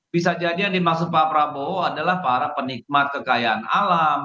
bisa jadi yang dimaksud pak prabowo adalah para penikmat kekayaan alam